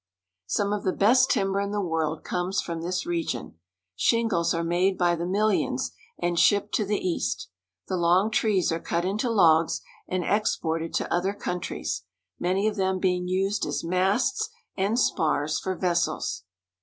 Some of the best timber in the world comes from this region. Shingles are made by the millions, and shipped to the East. The long trees are cut into logs and exported to other countries, many of them being used as masts and spars for vessels.